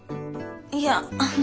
いやあの。